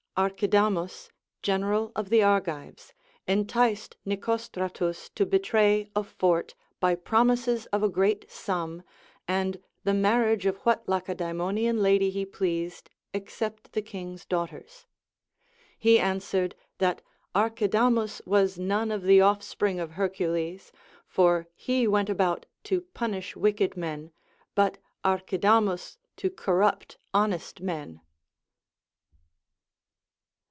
Archidamus, general of the Argives, en ticed Nicostratus to betray a fort, by promises of a great sum, and the marriage of Λvhat Lacedaemonian lady he pleased except the king's daughters. He answered, that Archidamus was none of the off"spring of Hercules, for he went about to punish wicked men, but Archidamus to cor rupt honest men.